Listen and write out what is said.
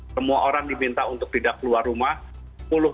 semua orang diminta untuk tidak keluar rumah